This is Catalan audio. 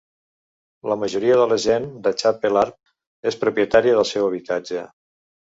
La majoria de la gent de Chapel Arm és propietària del seu habitatge.